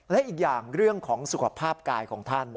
และอีกอย่างเรื่องของสุขภาพกายของท่าน